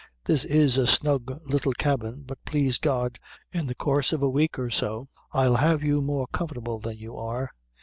This is a snug little cabin; but, plaise God, in the coorse of a week or so, I'll have you more comfortable than you are.